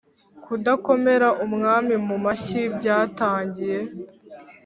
kudakomera umwami mu mashyi byatangiye